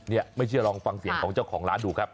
นี่ไม่เชื่อลองฟังเสียงของเจ้าของร้านดูครับ